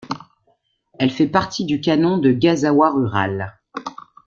Elle fait partie du canon de Gazawa rural.